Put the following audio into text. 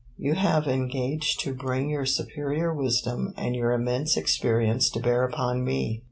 You have engaged to bring your superior wisdom and your immense experience to bear upon me!